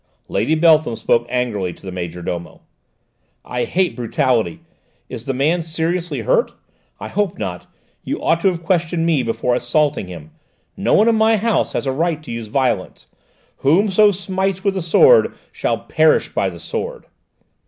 Lady Beltham spoke angrily to the major domo. "I hate brutality: is the man seriously hurt? I hope not. You ought to have questioned him before assaulting him. No one in my house has a right to use violence. 'Whoso smites with the sword shall perish by the sword'!"